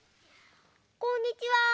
こんにちは。